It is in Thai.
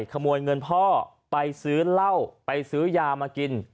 ขโมยเงินพ่อไปซื้อเหล้าไปซื้อยามากิน